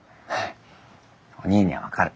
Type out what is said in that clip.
おにぃには分かる。